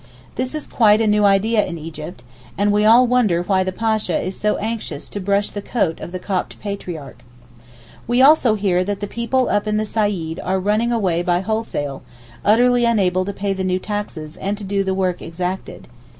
This is quite a new idea in Egypt, and we all wonder why the Pasha is so anxious to 'brush the coat' of the Copt Patriarch. We also hear that the people up in the Saaed are running away by wholesale, utterly unable to pay the new taxes and to do the work exacted.